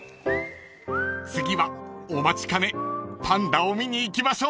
［次はお待ちかねパンダを見に行きましょう］